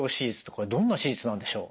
これどんな手術なんでしょう？